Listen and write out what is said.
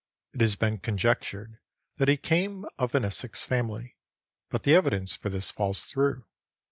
It has been conjectured that he came of an Essex family; but the evidence for this falls through.